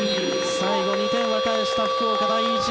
最後２点は返した福岡第一。